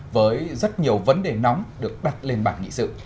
với rất nhiều vấn đề nóng được đặt lên bản nghị sự